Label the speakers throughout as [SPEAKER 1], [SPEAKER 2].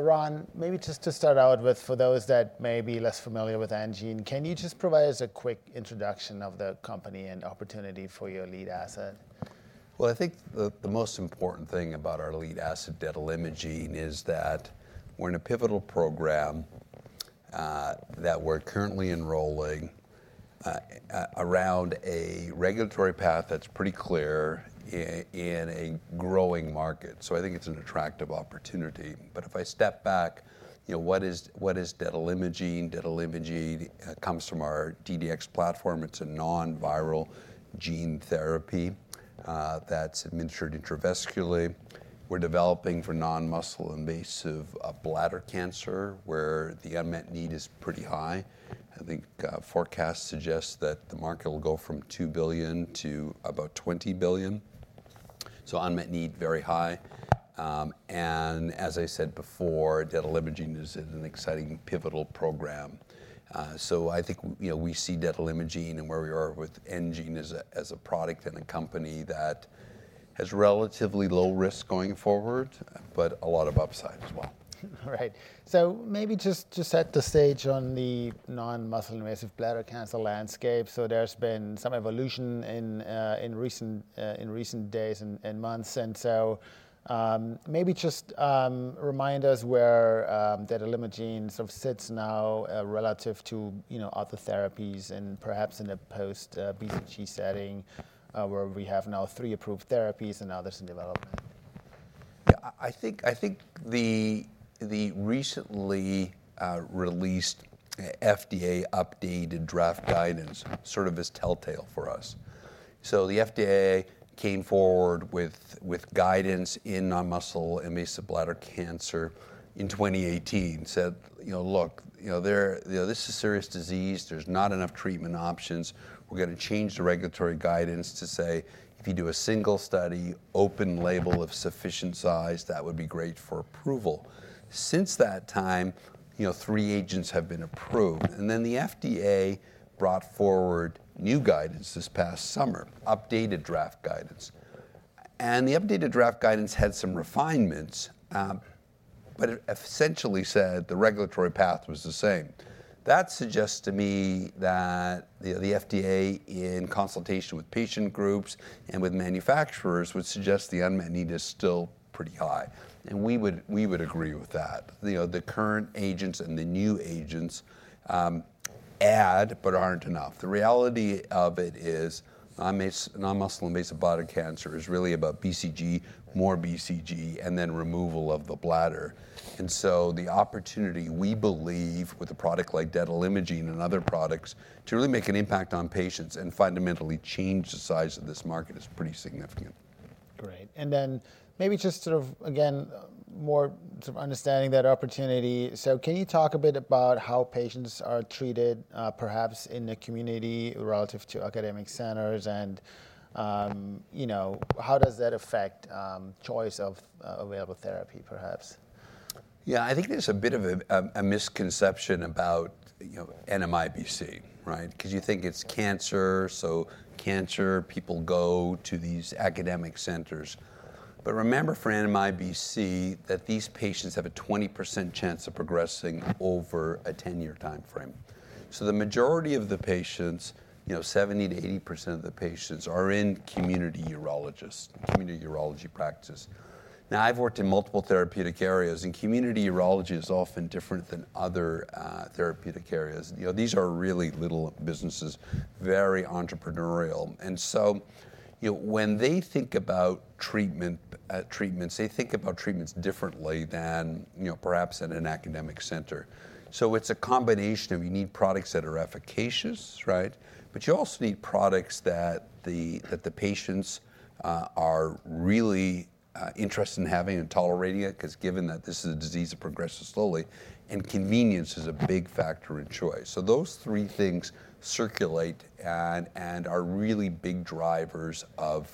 [SPEAKER 1] Ron, maybe just to start out with, for those that may be less familiar with enGene, can you just provide us a quick introduction of the company and opportunity for your lead asset?
[SPEAKER 2] I think the most important thing about our lead asset, detalimogene, is that we're in a pivotal program that we're currently enrolling around a regulatory path that's pretty clear in a growing market. I think it's an attractive opportunity. If I step back, you know, what is detalimogene? Detalimogene comes from our DDX platform. It's a non-viral gene therapy that's administered intravesically. We're developing for non-muscle invasive bladder cancer, where the unmet need is pretty high. I think forecasts suggest that the market will go from $2 billion to about $20 billion. Unmet need, very high. As I said before, detalimogene is an exciting, pivotal program. I think, you know, we see detalimogene and where we are with enGene as a product and a company that has relatively low risk going forward, but a lot of upside as well.
[SPEAKER 1] All right, so maybe just to set the stage on the non-muscle invasive bladder cancer landscape, so there's been some evolution in recent days and months, and so maybe just remind us where detalimogene sort of sits now relative to other therapies and perhaps in a post-BCG setting, where we have now three approved therapies and others in development.
[SPEAKER 2] Yeah, I think the recently released FDA updated draft guidance sort of is telltale for us. So the FDA came forward with guidance in non-muscle invasive bladder cancer in 2018, said, you know, look, you know, this is serious disease. There's not enough treatment options. We're going to change the regulatory guidance to say, if you do a single study, open label of sufficient size, that would be great for approval. Since that time, you know, three agents have been approved. And then the FDA brought forward new guidance this past summer, updated draft guidance. And the updated draft guidance had some refinements, but essentially said the regulatory path was the same. That suggests to me that the FDA, in consultation with patient groups and with manufacturers, would suggest the unmet need is still pretty high. And we would agree with that. You know, the current agents and the new agents add, but aren't enough. The reality of it is non-muscle invasive bladder cancer is really about BCG, more BCG, and then removal of the bladder. And so the opportunity, we believe, with a product like detalimogene and other products to really make an impact on patients and fundamentally change the size of this market is pretty significant.
[SPEAKER 1] Great, and then maybe just sort of, again, more sort of understanding that opportunity, so can you talk a bit about how patients are treated, perhaps in the community relative to academic centers, and, you know, how does that affect the choice of available therapy, perhaps?
[SPEAKER 2] Yeah, I think there's a bit of a misconception about, you know, NMIBC, right? Because you think it's cancer. So cancer, people go to these academic centers. But remember for NMIBC that these patients have a 20% chance of progressing over a 10-year time frame. So the majority of the patients, you know, 70%-80% of the patients are in community urologists, community urology practices. Now, I've worked in multiple therapeutic areas, and community urology is often different than other therapeutic areas. You know, these are really little businesses, very entrepreneurial. And so, you know, when they think about treatments, they think about treatments differently than, you know, perhaps at an academic center. So it's a combination of you need products that are efficacious, right? But you also need products that the patients are really interested in having and tolerating it, because given that this is a disease that progresses slowly, and convenience is a big factor in choice. So those three things circulate and are really big drivers of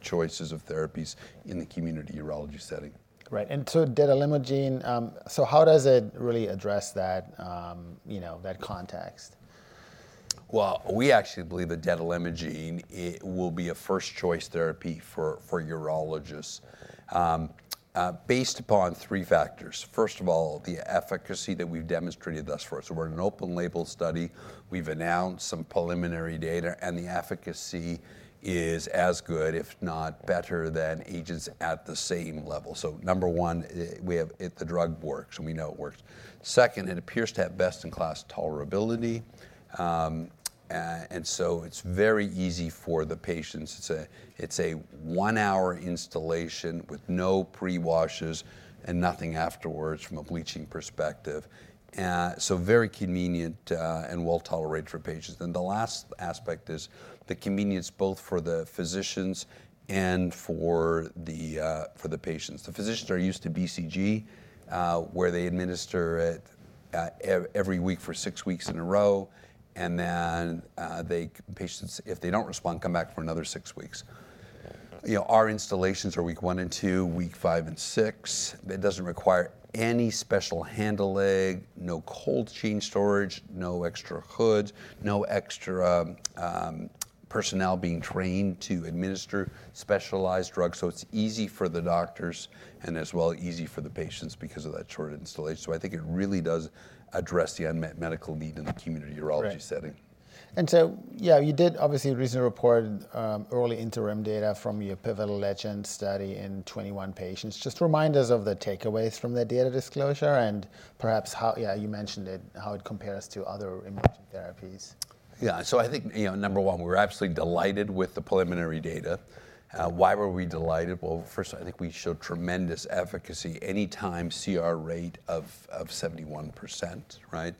[SPEAKER 2] choices of therapies in the community urology setting.
[SPEAKER 1] Right, and so, detalimogene, so how does it really address that, you know, that context?
[SPEAKER 2] We actually believe that detalimogene will be a first choice therapy for urologists based upon three factors. First of all, the efficacy that we've demonstrated thus far, so we're in an open-label study. We've announced some preliminary data, and the efficacy is as good, if not better, than agents at the same level, so number one, we have the drug works, and we know it works. Second, it appears to have best-in-class tolerability, and so it's very easy for the patients. It's a one-hour instillation with no pre-washes and nothing afterwards from a bladder perspective, so very convenient and well tolerated for patients, and the last aspect is the convenience both for the physicians and for the patients. The physicians are used to BCG, where they administer it every week for six weeks in a row, and then the patients, if they don't respond, come back for another six weeks. You know, our instillations are week one and two, week five and six. It doesn't require any special handling, no cold chain storage, no extra hoods, no extra personnel being trained to administer specialized drugs. So it's easy for the doctors and as well easy for the patients because of that short instillation. So I think it really does address the unmet medical need in the community urology setting.
[SPEAKER 1] And so, yeah, you did obviously recently report early interim data from your pivotal LEGEND study in 21 patients. Just remind us of the takeaways from that data disclosure and perhaps how, yeah, you mentioned it, how it compares to other imaging therapies.
[SPEAKER 2] Yeah. So I think, you know, number one, we're absolutely delighted with the preliminary data. Why were we delighted? Well, first, I think we showed tremendous efficacy. Any-time CR rate of 71%, right?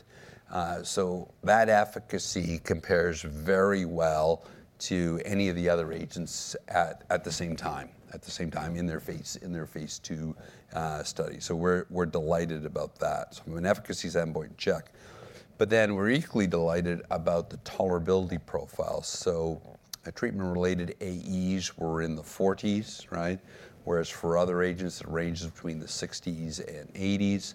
[SPEAKER 2] So that efficacy compares very well to any of the other agents at the same time, at the same time in their Phase 2 study. So we're delighted about that. So from an efficacy standpoint, check. But then we're equally delighted about the tolerability profile. So treatment-related AEs were in the 40s, right? Whereas for other agents, it ranges between the 60s and 80s.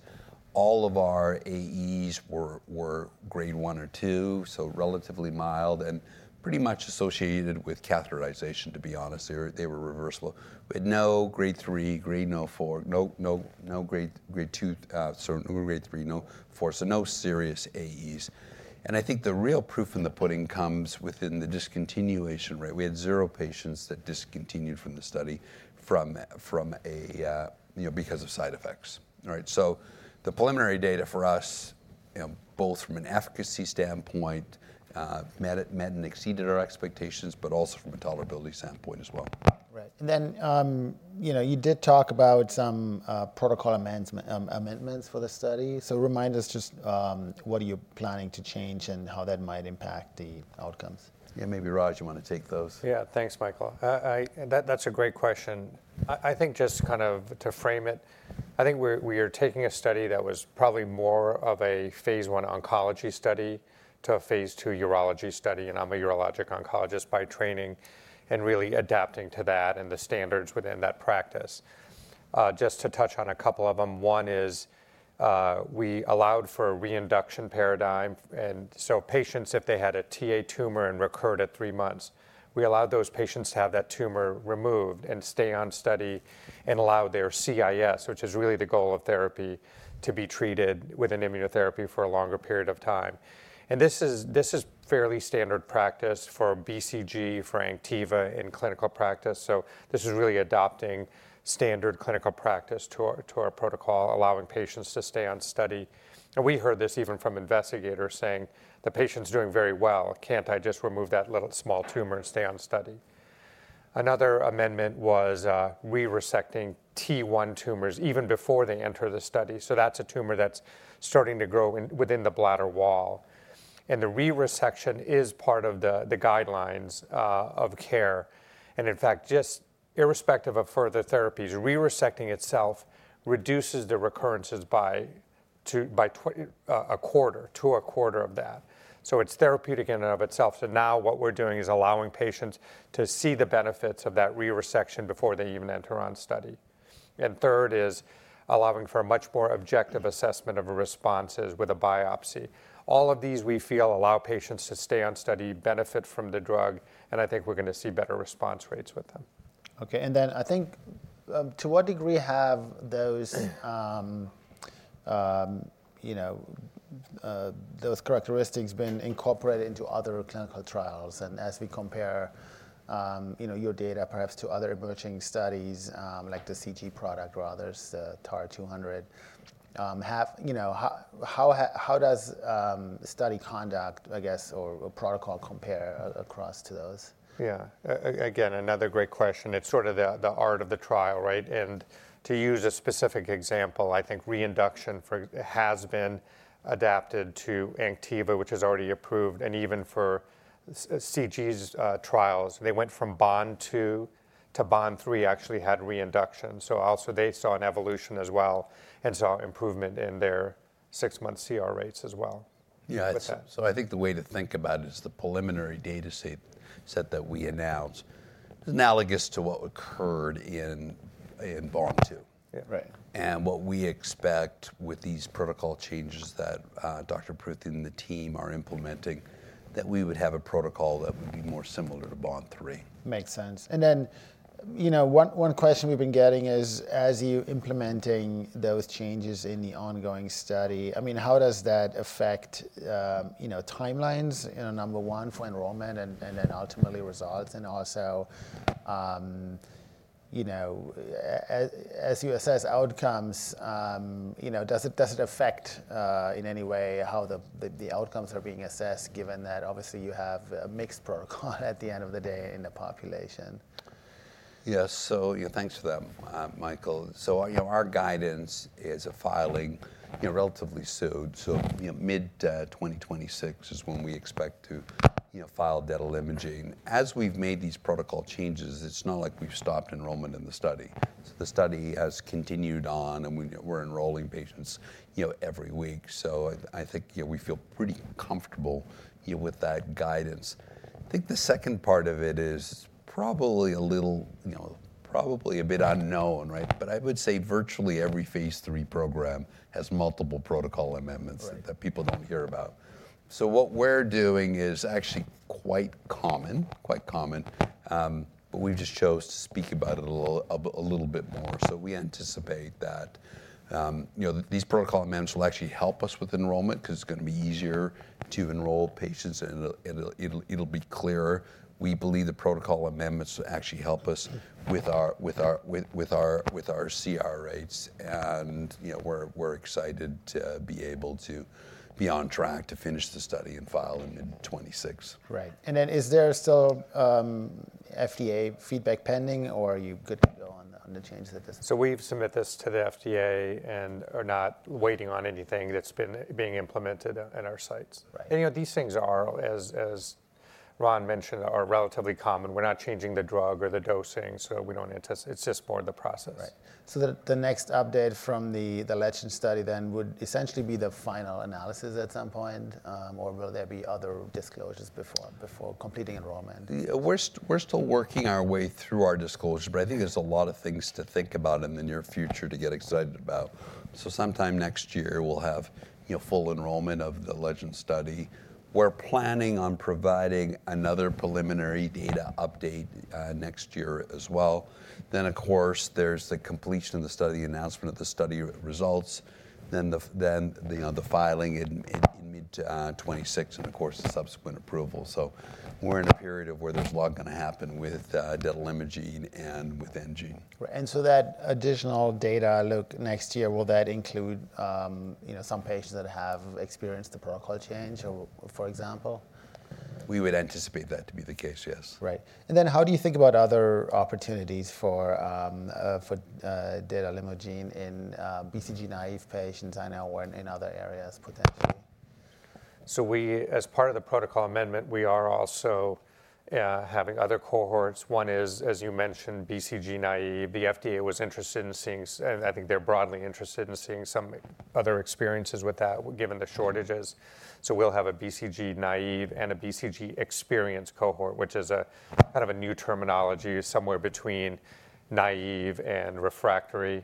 [SPEAKER 2] All of our AEs were Grade 1 or 2, so relatively mild and pretty much associated with catheterization, to be honest. They were reversible. We had no grade three, grade no four, no grade two, sorry, no grade three, no four. So no serious AEs. And I think the real proof in the pudding comes within the discontinuation, right? We had zero patients that discontinued from the study from a, you know, because of side effects, right? So the preliminary data for us, you know, both from an efficacy standpoint, met and exceeded our expectations, but also from a tolerability standpoint as well.
[SPEAKER 1] Right. And then, you know, you did talk about some protocol amendments for the study. So remind us just what are you planning to change and how that might impact the outcomes?
[SPEAKER 2] Yeah, maybe Raj, you want to take those?
[SPEAKER 3] Yeah, thanks, Michael. That's a great question. I think just kind of to frame it, I think we are taking a study that was probably more of a Phase 1 oncology study to a Phase 2 urology study. And I'm a urologic oncologist by training and really adapting to that and the standards within that practice. Just to touch on a couple of them, one is we allowed for a re-induction paradigm. And so patients, if they had a Ta tumor and recurred at three months, we allowed those patients to have that tumor removed and stay on study and allow their CIS, which is really the goal of therapy, to be treated with an immunotherapy for a longer period of time. And this is fairly standard practice for BCG, for Anktiva in clinical practice. So this is really adopting standard clinical practice to our protocol, allowing patients to stay on study. And we heard this even from investigators saying, "The patient's doing very well. Can't I just remove that little small tumor and stay on study?" Another amendment was re-resecting T1 tumors even before they enter the study. So that's a tumor that's starting to grow within the bladder wall. And the re-resection is part of the guidelines of care. And in fact, just irrespective of further therapies, re-resecting itself reduces the recurrences by a quarter, to a quarter of that. So it's therapeutic in and of itself. So now what we're doing is allowing patients to see the benefits of that re-resection before they even enter on study. And third is allowing for a much more objective assessment of responses with a biopsy. All of these we feel allow patients to stay on study, benefit from the drug, and I think we're going to see better response rates with them.
[SPEAKER 1] Okay. And then I think to what degree have those, you know, those characteristics been incorporated into other clinical trials? And as we compare, you know, your data perhaps to other emerging studies like the CG product or others, the TAR-200, you know, how does study conduct, I guess, or protocol compare across to those?
[SPEAKER 3] Yeah. Again, another great question. It's sort of the art of the trial, right? And to use a specific example, I think reinduction has been adapted to Anktiva, which is already approved. And even for CG's trials, they went from BOND-2 to BOND-3, actually had reinduction. So also they saw an evolution as well and saw improvement in their six-month CR rates as well.
[SPEAKER 2] Yeah, so I think the way to think about it is the preliminary data set that we announced is analogous to what occurred in BOND-2. And what we expect with these protocol changes that Dr. Pruthi and the team are implementing, that we would have a protocol that would be more similar to BOND-3.
[SPEAKER 1] Makes sense. And then, you know, one question we've been getting is, as you're implementing those changes in the ongoing study, I mean, how does that affect, you know, timelines in a number one for enrollment and then ultimately results? And also, you know, as you assess outcomes, you know, does it affect in any way how the outcomes are being assessed, given that obviously you have a mixed protocol at the end of the day in the population?
[SPEAKER 2] Yes. So thanks for that, Michael. So our guidance is a filing, you know, relatively soon. So mid-2026 is when we expect to, you know, file detalimogene. As we've made these protocol changes, it's not like we've stopped enrollment in the study. So the study has continued on, and we're enrolling patients, you know, every week. So I think, you know, we feel pretty comfortable, you know, with that guidance. I think the second part of it is probably a little, you know, probably a bit unknown, right? But I would say virtually every Phase 3 program has multiple protocol amendments that people don't hear about. So what we're doing is actually quite common, quite common, but we just chose to speak about it a little bit more. So we anticipate that, you know, these protocol amendments will actually help us with enrollment because it's going to be easier to enroll patients, and it'll be clearer. We believe the protocol amendments actually help us with our CR rates. And, you know, we're excited to be able to be on track to finish the study and file in mid-2026.
[SPEAKER 1] Right. And then, is there still FDA feedback pending, or are you good to go on the changes that this?
[SPEAKER 3] So we've submitted this to the FDA and are not waiting on anything that's been being implemented at our sites. And, you know, these things are, as Ron mentioned, relatively common. We're not changing the drug or the dosing, so we don't anticipate. It's just more of the process.
[SPEAKER 1] Right. So the next update from the LEGEND study then would essentially be the final analysis at some point, or will there be other disclosures before completing enrollment?
[SPEAKER 2] We're still working our way through our disclosures, but I think there's a lot of things to think about in the near future to get excited about. So sometime next year, we'll have, you know, full enrollment of the LEGEND study. We're planning on providing another preliminary data update next year as well. Then, of course, there's the completion of the study, the announcement of the study results, then the filing in mid-2026, and of course, the subsequent approval. So we're in a period of where there's a lot going to happen with detalimogene and with enGene.
[SPEAKER 1] And so that additional data look next year, will that include, you know, some patients that have experienced the protocol change, for example?
[SPEAKER 2] We would anticipate that to be the case, yes.
[SPEAKER 1] Right. And then how do you think about other opportunities for detalimogene in BCG-naive patients and/or in other areas potentially?
[SPEAKER 3] So we, as part of the protocol amendment, we are also having other cohorts. One is, as you mentioned, BCG naive. The FDA was interested in seeing, and I think they're broadly interested in seeing some other experiences with that given the shortages. So we'll have a BCG naive and a BCG experience cohort, which is a kind of a new terminology, somewhere between naive and refractory.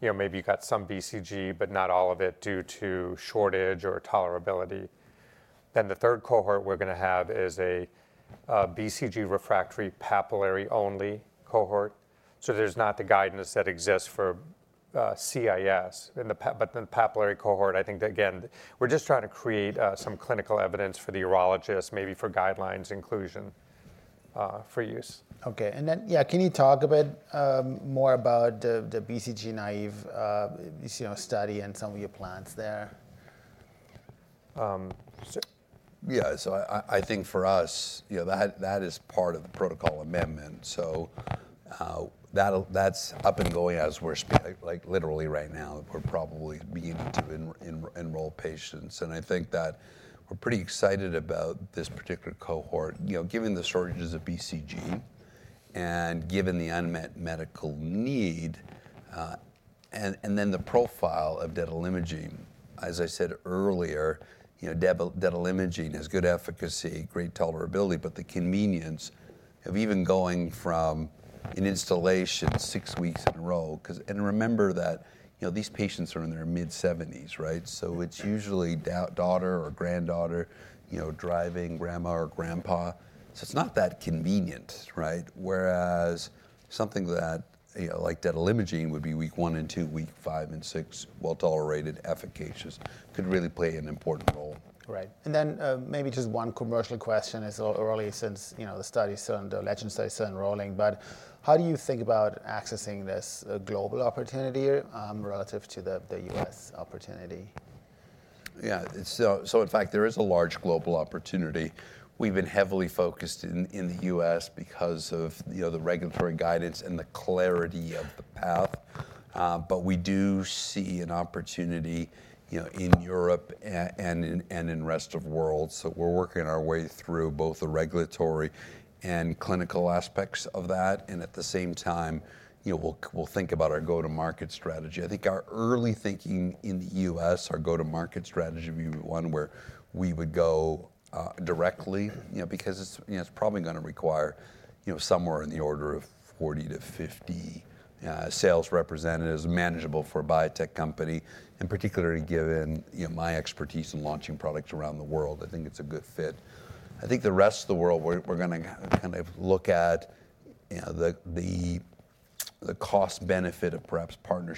[SPEAKER 3] You know, maybe you've got some BCG, but not all of it due to shortage or tolerability. Then the third cohort we're going to have is a BCG refractory papillary-only cohort. So there's not the guidance that exists for CIS. But the papillary cohort, I think that, again, we're just trying to create some clinical evidence for the urologists, maybe for guidelines inclusion for use.
[SPEAKER 1] Okay. And then, yeah, can you talk a bit more about the BCG naive study and some of your plans there?
[SPEAKER 2] Yeah. So I think for us, you know, that is part of the protocol amendment. So that's up and going as we're speaking, like literally right now, we're probably beginning to enroll patients. And I think that we're pretty excited about this particular cohort, you know, given the shortages of BCG and given the unmet medical need. And then the profile of detalimogene, as I said earlier, you know, detalimogene has good efficacy, great tolerability, but the convenience of even going from an instillation six weeks in a row, because, and remember that, you know, these patients are in their mid-70s, right? So it's usually daughter or granddaughter, you know, driving, grandma or grandpa. So it's not that convenient, right? Whereas something that, you know, like detalimogene would be week one and two, week five and six, well tolerated, efficacious, could really play an important role.
[SPEAKER 1] Right. And then maybe just one commercial question. It's early since, you know, the study's done, the LEGEND study's done enrolling, but how do you think about accessing this global opportunity relative to the U.S. opportunity?
[SPEAKER 2] Yeah. So in fact, there is a large global opportunity. We've been heavily focused in the U.S. because of, you know, the regulatory guidance and the clarity of the path. But we do see an opportunity, you know, in Europe and in the rest of the world. So we're working our way through both the regulatory and clinical aspects of that. And at the same time, you know, we'll think about our go-to-market strategy. I think our early thinking in the U.S., our go-to-market strategy would be one where we would go directly, you know, because it's probably going to require, you know, somewhere in the order of 40 to 50 sales representatives manageable for a biotech company. And particularly given, you know, my expertise in launching products around the world, I think it's a good fit. I think the rest of the world, we're going to kind of look at, you know, the cost-benefit of perhaps partners.